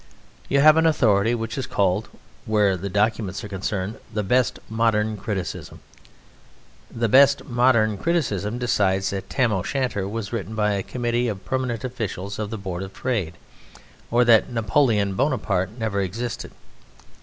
You have an authority which is called, where documents are concerned, "The Best Modern Criticism." "The Best Modern Criticism" decides that "Tam o' Shanter" was written by a committee of permanent officials of the Board of Trade, or that Napoleon Bonaparte never existed.